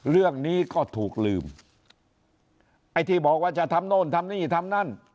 เรื่องนี้ก็ถูกลืมไอ้ที่บอกว่าจะทำโน่นทำนี่ทำนั่น